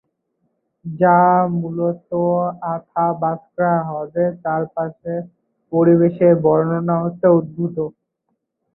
যা মূলত আথাবাস্কা হ্রদের চারপাশের পরিবেশের বর্ণনা হতে উদ্ভূত।